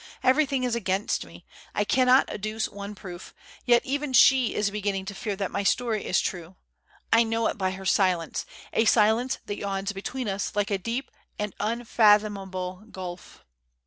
Everything is against me. I cannot adduce one proof; yet even she is beginning to fear that my story is true. I know it by her silence, a silence that yawns between us like a deep and unfathomable gulf."